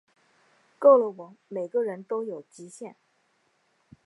够了喔，每个人都有极限